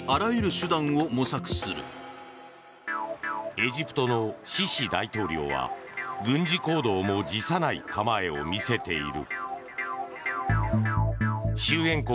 エジプトのシシ大統領は軍事行動も辞さない構えを見せている。